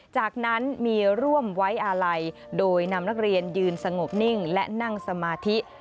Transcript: จากนั้นมีร่วมไว้อาลัยโดยนำนักเรียนยืนสงบนิ่งและนั่งสมาธิ